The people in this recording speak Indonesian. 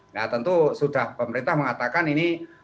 nah tentu sudah pemerintah mengatakan ini